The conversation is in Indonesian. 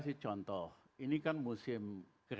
padahali untuk pendampingan pendidikan